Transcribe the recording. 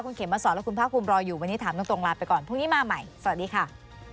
คุณเขมมาสอนและคุณภาคภูมิรออยู่วันนี้ถามตรงลาไปก่อนพรุ่งนี้มาใหม่สวัสดีค่ะ